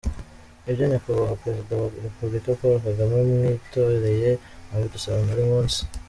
Ibyo Nyakubahwa Perezida wa Repubulika Paul Kagame mwitoreye abidusaba buri munsi”.